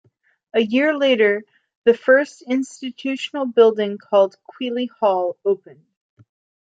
A year later the first institutional building called Quealy Hall opened.